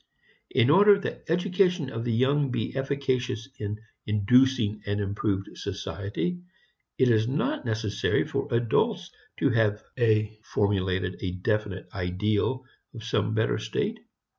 In order that education of the young be efficacious in inducing an improved society, it is not necessary for adults to have a formulated definite ideal of some better state.